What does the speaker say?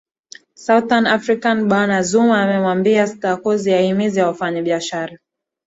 southern african bwana zuma amemwambia sarkozy ahimize wafanyi biashara